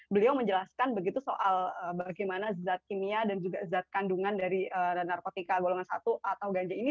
beliau menjelaskan begitu soal bagaimana zat kimia dan juga zat kandungan dari narkotika golongan satu atau ganja ini